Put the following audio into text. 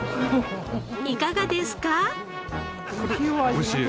いかがですか？